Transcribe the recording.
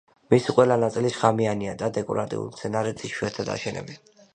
მისი ყველა ნაწილი შხამიანია და დეკორატიულ მცენარედ იშვიათად აშენებენ.